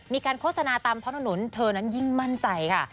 โฆษณาตามท้องถนนเธอนั้นยิ่งมั่นใจค่ะ